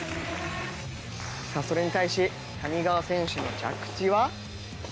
それに対し谷川選手の着地は。